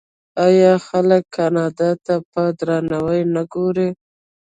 آیا خلک کاناډا ته په درناوي نه ګوري؟